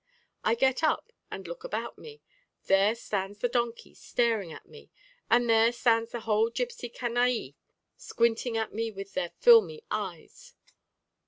I get up and look about me; there stands the donkey staring at me, and there stand the whole gipsy canaille squinting at me with their filmy eyes.